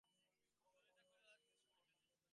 সুচরিতা কহিল, তাঁদের সঙ্গে যে পরিচয় নেই।